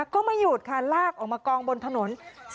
ก็ไม่หยุดค่ะลากออกมากองบนถนน